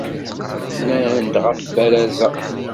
Nnan-d ɣef warraz-a.